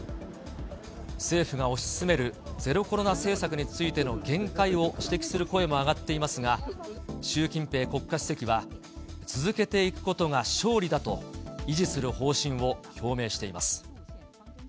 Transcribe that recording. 政府が推し進めるゼロコロナ政策についての限界を指摘する声も上がっていますが、習近平国家主席は、続けていくことが勝利だと、維持する方針を表明しています。